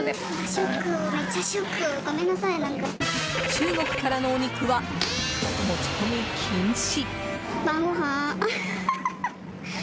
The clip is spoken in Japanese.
中国からのお肉は持ち込み禁止。